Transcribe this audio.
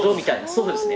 そうですね。